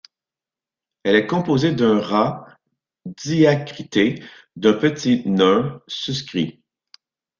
Elle est composée d’un rā diacrité d’un petit nūn suscrit.